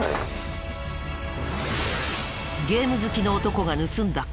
ゲーム好きの男が盗んだ金。